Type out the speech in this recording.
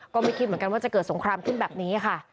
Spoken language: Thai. ก็ไม่คิดเหมือนกันว่าจะเกิดสงครามขึ้นแบบนี้ค่ะ